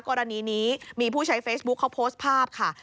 กรณีนี้มีผู้ใช้เฟซบุ๊คเขาโพสต์ภาพค่ะ